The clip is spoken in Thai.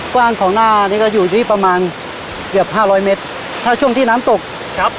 กว้างของหน้านี่ก็อยู่ที่ประมาณเกือบห้าร้อยเมตรถ้าช่วงที่น้ำตกครับ